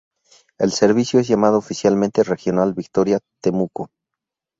El servicio es llamado oficialmente Regional Victoria-Temuco.